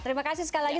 terima kasih sekali lagi